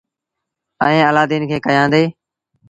ائيٚݩ الآدين کي ڪيآندي۔